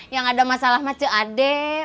yang ada masalah mas ce adek